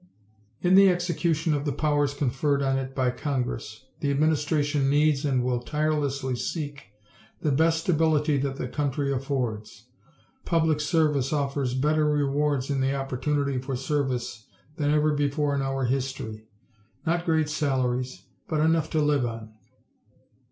In the execution of the powers conferred on it by Congress, the administration needs and will tirelessly seek the best ability that the country affords. Public service offers better rewards in the opportunity for service than ever before in our history not great salaries, but enough to live on.